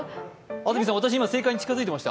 安住さん、私、今、正解に近づいてました？